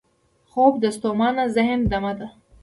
خوب د ستومانه ذهن دمه ده